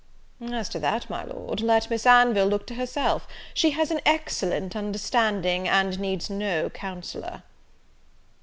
"As to that, my Lord, let Miss Anville look to herself; she has an excellent understanding, and needs no counsellor."